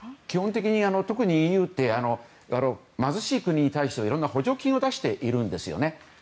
基本的に特にＥＵって貧しい国に対していろんな補助金を出しているんですね。